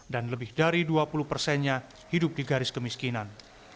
dan lebih dari dua puluh persennya hidup di garis kemiskinan